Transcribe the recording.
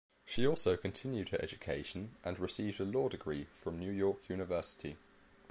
She also continued her education and received a law degree from New York University.